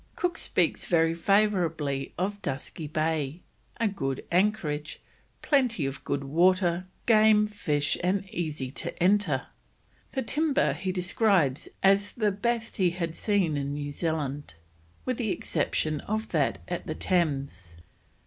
Cook speaks very favourably of Dusky Bay, a good anchorage, plenty of good water, game, fish, and easy to enter. The timber he describes as the best he had seen in New Zealand, with the exception of that at the Thames.